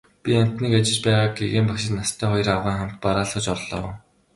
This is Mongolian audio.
Би амьтныг ажиж байгааг гэгээн багшид настай хоёр авгайн хамт бараалхаж орлоо.